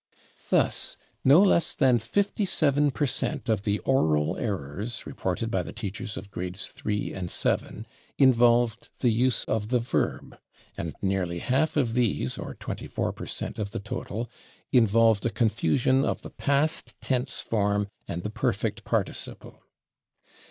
Thus, no less than 57 per cent of the oral errors reported by the teachers of grades III and VII involved the use of the verb, and nearly half of these, or 24 per cent, of the total, involved a confusion of the past tense form and the perfect participle.